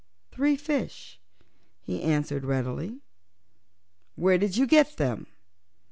"Three fishes," he answered readily. "Where did you get them?"